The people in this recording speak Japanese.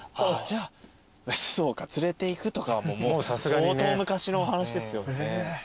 そうか連れていくとかはもう相当昔の話ですよね。